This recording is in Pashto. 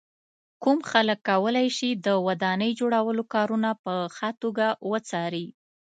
کوم خلک کولای شي د ودانۍ جوړولو کارونه په ښه توګه وڅاري.